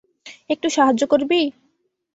একটু সাহায্য করবি?